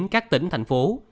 các tỉnh thành phố